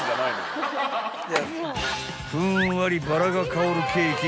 ［ふんわりバラが香るケーキ］